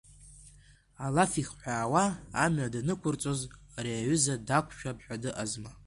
Алаф ихҳәаауа амҩа данықәырҵоз, ари аҩыза дақәшәап ҳәа дыҟазма…